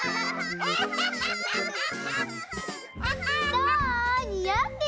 どう？にあってる？